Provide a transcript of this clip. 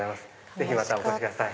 ぜひまたお越しください。